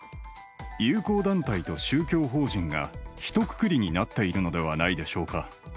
友好団体と宗教法人がひとくくりになっているのではないでしょうか。